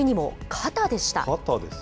肩ですか。